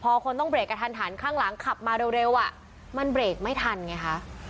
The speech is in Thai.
พอคนต้องเรกกระทันหันข้างหลังขับมาเร็วอ่ะมันเบรกไม่ทันไงคะ